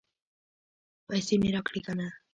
پیسې مې راکړې که نه؟